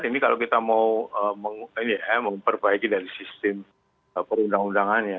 ini kalau kita mau memperbaiki dari sistem perundang undangannya